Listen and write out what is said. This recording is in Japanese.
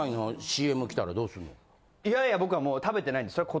いやいや僕は食べてないんで。